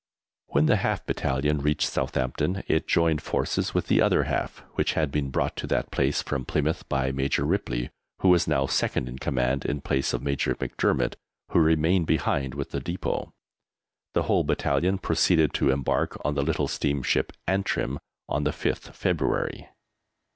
When the half Battalion reached Southampton, it joined forces with the other half, which had been brought to that place from Plymouth by Major Ripley, who was now Second in Command in place of Major MacDermot, who remained behind with the Depôt. The whole Battalion proceeded to embark on the little steamship Antrim on the 5th February.